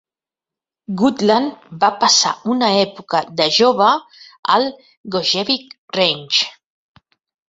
Goodland va passar una època de jova al Gogebic Range.